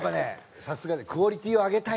さすがクオリティーを上げたいんだね。